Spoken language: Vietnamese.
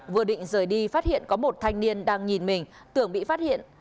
vừa định rời đi phát hiện có một thanh niên đang nhìn mình tưởng bị phát hiện